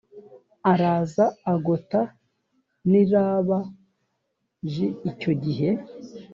araza agota n i raba j icyo gihe